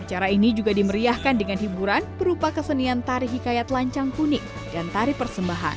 acara ini juga dimeriahkan dengan hiburan berupa kesenian tari hikayat lancang kuning dan tari persembahan